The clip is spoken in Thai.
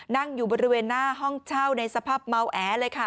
นั่งอยู่บริเวณหน้าห้องเช่าในสภาพเมาแอเลยค่ะ